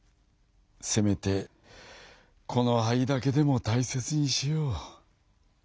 せめてこのはいだけでもたいせつにしよう」。